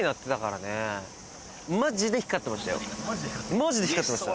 マジで光ってた？